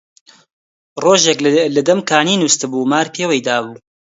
ڕۆژێک لە دەم کانی نوستبوو، مار پێوەی دابوو